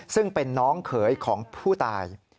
ซึ่งเป็นน้องเขยของผู้ตาย